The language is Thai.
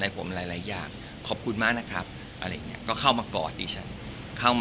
กลับมากรอดข้า